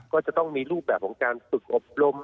ก็จะต้องมีรูปแบบของการฝึกอบรม